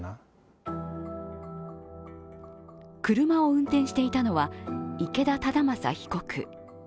車を運転していたのは池田忠正被告。